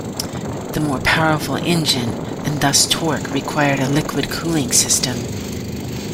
The more powerful engine and thus torque required a liquid cooling system.